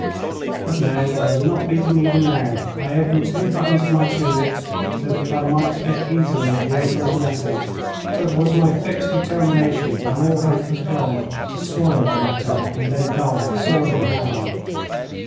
But, no; I was not beaten even now. I opened two buttons of my tunic so that I might get easily at the Emperor's message, for it was my fixed determination when all hope was gone to swallow the letter and then die sword in hand.